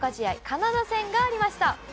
カナダ戦がありました。